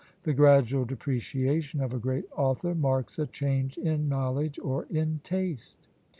The gradual depreciation of a great author marks a change in knowledge or in taste.